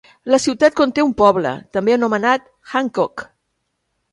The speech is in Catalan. La ciutat conté un poble, també anomenat Hancock.